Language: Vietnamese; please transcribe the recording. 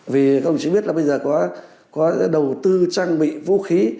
vì các ông chí biết là bây giờ có đầu tư trang bị vũ khí